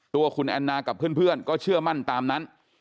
ตัวคุณแอนนากับเพื่อนก็เชื่อมั่นตามนั้น